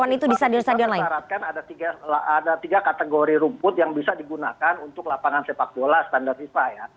kalau itu harus disarankan ada tiga kategori rumput yang bisa digunakan untuk lapangan sepak bola standar viva ya